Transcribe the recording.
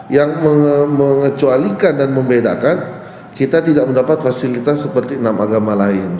yang mengecualikan dan membedakan kita tidak mendapat fasilitas seperti enam agama lain